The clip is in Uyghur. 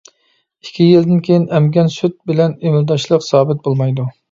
ئىككى يىلدىن كېيىن ئەمگەن سۈت بىلەن ئېمىلداشلىق سابىت بولمايدۇ.